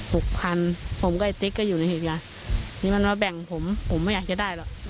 หกพันผมกับไอ้ติ๊กก็อยู่ในเหตุการณ์นี่มันมาแบ่งผมผมไม่อยากจะได้หรอก